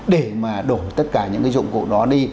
để mà đổ tất cả những cái dụng cụ đó đi